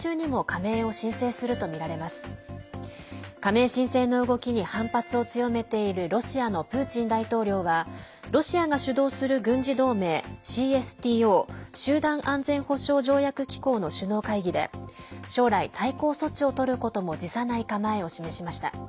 加盟申請の動きに反発を強めているロシアのプーチン大統領はロシアが主導する軍事同盟ＣＳＴＯ＝集団安全保障条約機構の首脳会議で将来、対抗措置をとることも辞さない構えを示しました。